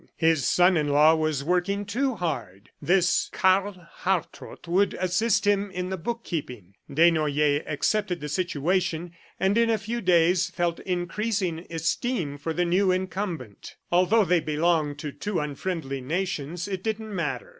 His son in law was working too hard. This Karl Hartrott would assist him in the bookkeeping. Desnoyers accepted the situation, and in a few days felt increasing esteem for the new incumbent. Although they belonged to two unfriendly nations, it didn't matter.